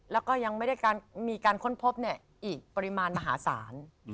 แล้วก็ยังไม่ได้มีการค้นพบอีกปริมาณมหาศาล